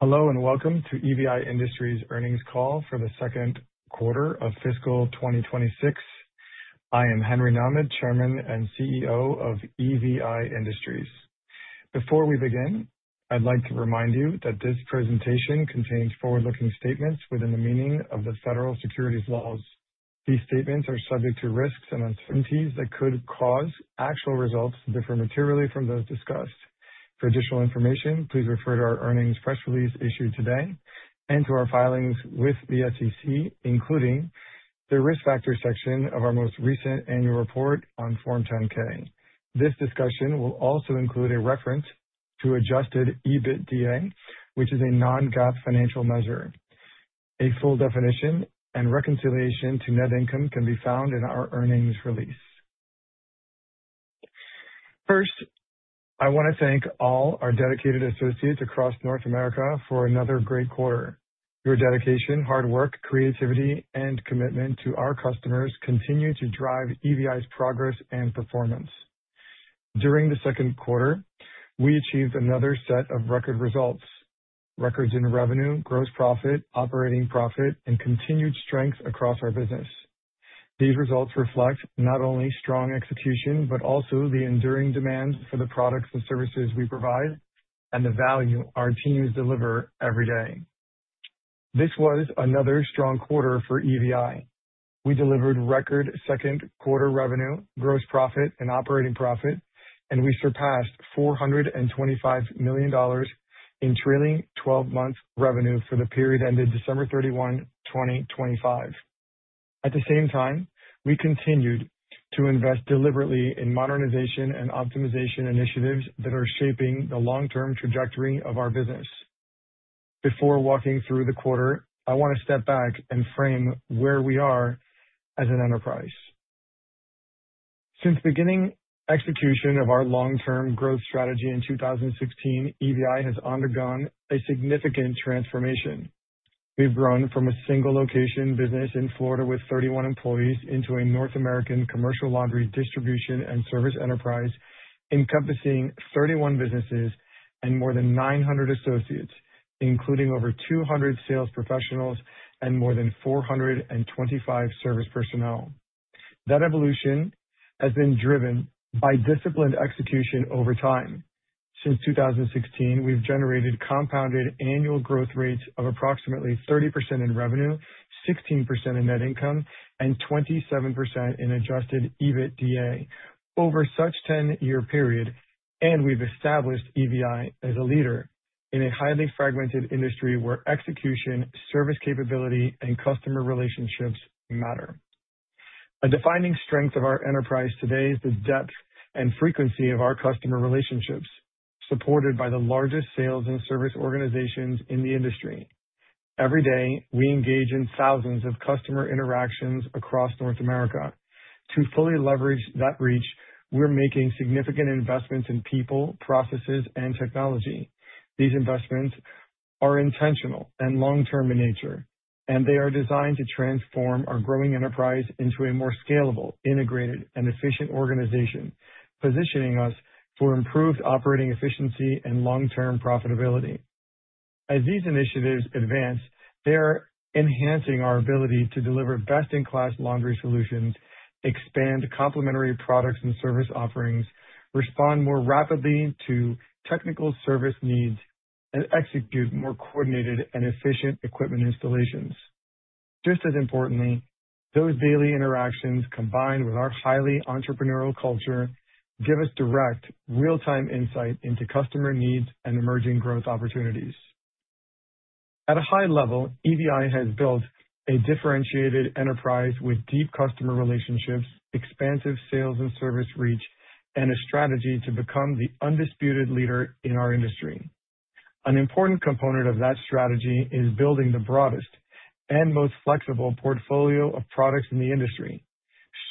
Hello, and welcome to EVI Industries' earnings call for the second quarter of fiscal 2026. I am Henry Nahmad, Chairman and CEO of EVI Industries. Before we begin, I'd like to remind you that this presentation contains forward-looking statements within the meaning of the federal securities laws. These statements are subject to risks and uncertainties that could cause actual results to differ materially from those discussed. For additional information, please refer to our earnings press release issued today and to our filings with the SEC, including the Risk Factors section of our most recent annual report on Form 10-K. This discussion will also include a reference to Adjusted EBITDA, which is a non-GAAP financial measure. A full definition and reconciliation to net income can be found in our earnings release. First, I want to thank all our dedicated associates across North America for another great quarter. Your dedication, hard work, creativity, and commitment to our customers continue to drive EVI's progress and performance. During the second quarter, we achieved another set of record results, records in revenue, gross profit, operating profit, and continued strength across our business. These results reflect not only strong execution, but also the enduring demand for the products and services we provide and the value our teams deliver every day. This was another strong quarter for EVI. We delivered record second quarter revenue, gross profit, and operating profit, and we surpassed $425 million in trailing twelve months revenue for the period ended December 31, 2025. At the same time, we continued to invest deliberately in modernization and optimization initiatives that are shaping the long-term trajectory of our business. Before walking through the quarter, I want to step back and frame where we are as an enterprise. Since beginning execution of our long-term growth strategy in 2016, EVI has undergone a significant transformation. We've grown from a single location business in Florida with 31 employees into a North American commercial laundry distribution and service enterprise, encompassing 31 businesses and more than 900 associates, including over 200 sales professionals and more than 425 service personnel. That evolution has been driven by disciplined execution over time. Since 2016, we've generated compounded annual growth rates of approximately 30% in revenue, 16% in net income, and 27% in adjusted EBITDA over such 10-year period, and we've established EVI as a leader in a highly fragmented industry where execution, service capability, and customer relationships matter. A defining strength of our enterprise today is the depth and frequency of our customer relationships, supported by the largest sales and service organizations in the industry. Every day, we engage in thousands of customer interactions across North America. To fully leverage that reach, we're making significant investments in people, processes, and technology. These investments are intentional and long-term in nature, and they are designed to transform our growing enterprise into a more scalable, integrated, and efficient organization, positioning us for improved operating efficiency and long-term profitability. As these initiatives advance, they are enhancing our ability to deliver best-in-class laundry solutions, expand complementary products and service offerings, respond more rapidly to technical service needs, and execute more coordinated and efficient equipment installations. Just as importantly, those daily interactions, combined with our highly entrepreneurial culture, give us direct, real-time insight into customer needs and emerging growth opportunities. At a high level, EVI has built a differentiated enterprise with deep customer relationships, expansive sales and service reach, and a strategy to become the undisputed leader in our industry. An important component of that strategy is building the broadest and most flexible portfolio of products in the industry,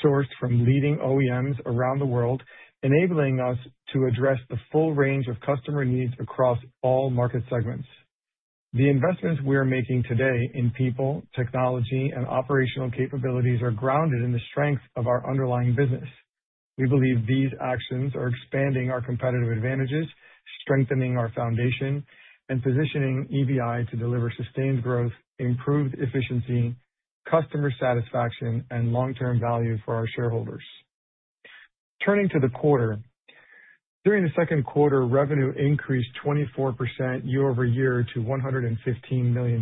sourced from leading OEMs around the world, enabling us to address the full range of customer needs across all market segments. The investments we are making today in people, technology, and operational capabilities are grounded in the strength of our underlying business. We believe these actions are expanding our competitive advantages, strengthening our foundation, and positioning EVI to deliver sustained growth, improved efficiency, customer satisfaction, and long-term value for our shareholders. Turning to the quarter. During the second quarter, revenue increased 24% year-over-year to $115 million,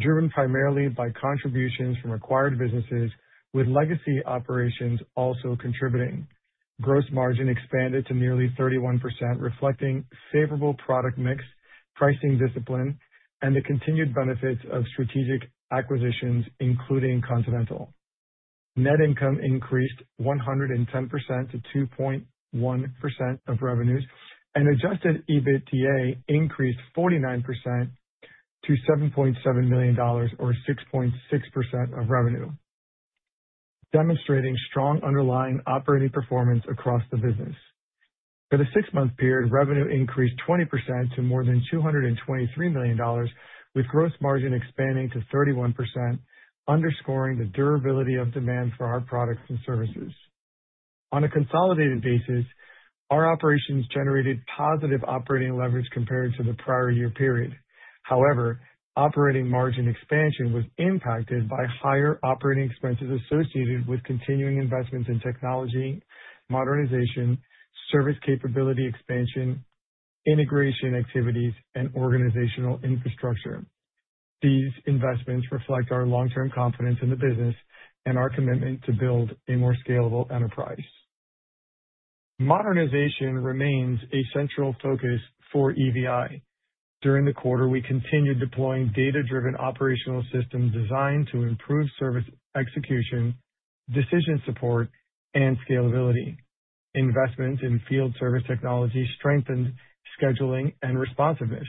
driven primarily by contributions from acquired businesses, with legacy operations also contributing. Gross margin expanded to nearly 31%, reflecting favorable product mix, pricing discipline, and the continued benefits of strategic acquisitions, including Continental. Net income increased 110% to 2.1% of revenues, and Adjusted EBITDA increased 49% to $7.7 million, or 6.6% of revenue, demonstrating strong underlying operating performance across the business. For the six-month period, revenue increased 20% to more than $223 million, with gross margin expanding to 31%, underscoring the durability of demand for our products and services.... On a consolidated basis, our operations generated positive operating leverage compared to the prior year period. However, operating margin expansion was impacted by higher operating expenses associated with continuing investments in technology, modernization, service capability expansion, integration activities, and organizational infrastructure. These investments reflect our long-term confidence in the business and our commitment to build a more scalable enterprise. Modernization remains a central focus for EVI. During the quarter, we continued deploying data-driven operational systems designed to improve service execution, decision support, and scalability. Investments in field service technology strengthened scheduling and responsiveness,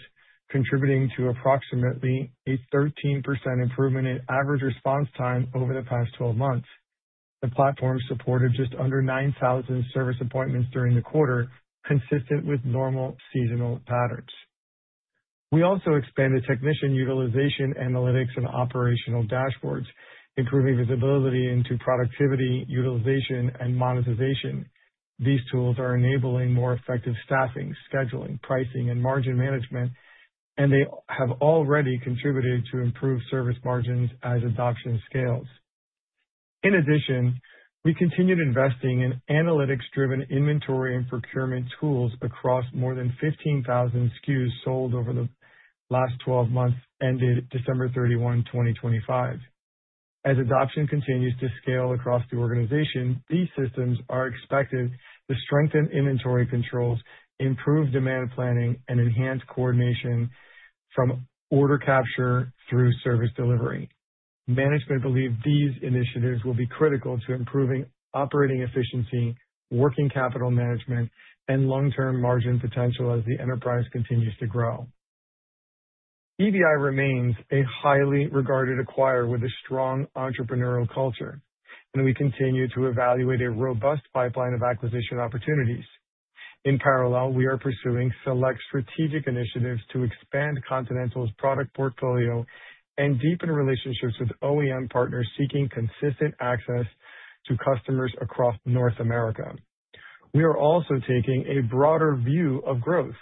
contributing to approximately a 13% improvement in average response time over the past 12 months. The platform supported just under 9,000 service appointments during the quarter, consistent with normal seasonal patterns. We also expanded technician utilization analytics and operational dashboards, improving visibility into productivity, utilization, and monetization. These tools are enabling more effective staffing, scheduling, pricing, and margin management, and they have already contributed to improved service margins as adoption scales. In addition, we continued investing in analytics-driven inventory and procurement tools across more than 15,000 SKUs sold over the last 12 months, ended December 31, 2025. As adoption continues to scale across the organization, these systems are expected to strengthen inventory controls, improve demand planning, and enhance coordination from order capture through service delivery. Management believe these initiatives will be critical to improving operating efficiency, working capital management, and long-term margin potential as the enterprise continues to grow. EVI remains a highly regarded acquirer with a strong entrepreneurial culture, and we continue to evaluate a robust pipeline of acquisition opportunities. In parallel, we are pursuing select strategic initiatives to expand Continental's product portfolio and deepen relationships with OEM partners seeking consistent access to customers across North America. We are also taking a broader view of growth,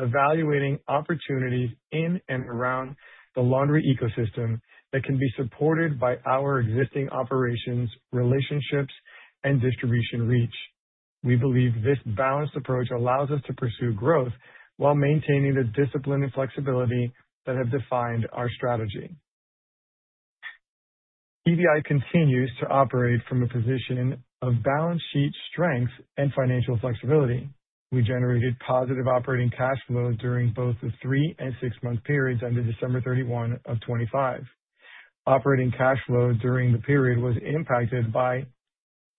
evaluating opportunities in and around the laundry ecosystem that can be supported by our existing operations, relationships, and distribution reach. We believe this balanced approach allows us to pursue growth while maintaining the discipline and flexibility that have defined our strategy. EVI continues to operate from a position of balance sheet strength and financial flexibility. We generated positive operating cash flow during both the 3- and 6-month periods ended December 31, 2025. Operating cash flow during the period was impacted by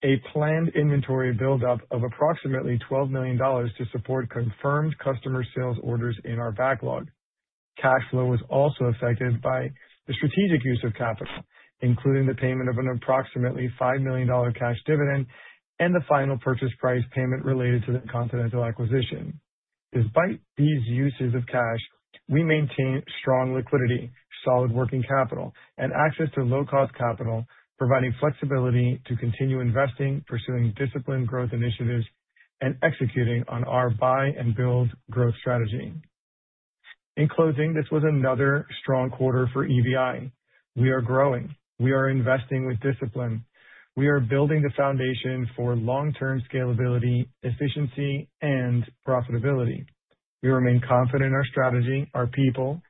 a planned inventory buildup of approximately $12 million to support confirmed customer sales orders in our backlog. Cash flow was also affected by the strategic use of capital, including the payment of an approximately $5 million cash dividend and the final purchase price payment related to the Continental acquisition. Despite these uses of cash, we maintain strong liquidity, solid working capital, and access to low-cost capital, providing flexibility to continue investing, pursuing disciplined growth initiatives, and executing on our buy and build growth strategy. In closing, this was another strong quarter for EVI. We are growing. We are investing with discipline. We are building the foundation for long-term scalability, efficiency, and profitability. We remain confident in our strategy, our people,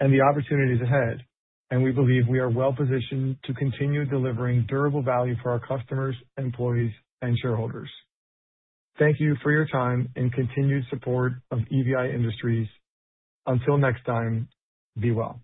and the opportunities ahead, and we believe we are well-positioned to continue delivering durable value for our customers, employees, and shareholders. Thank you for your time and continued support of EVI Industries. Until next time, be well.